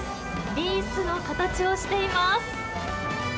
リースの形をしています。